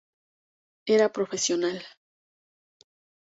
Era Profesional